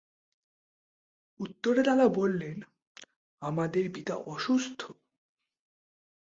উত্তরে তারা বললেন, আমাদের পিতা অসুস্থ।